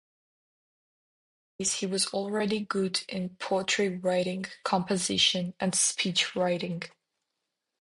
In those days, he was already good in poetry-writing, composition, and speech writing.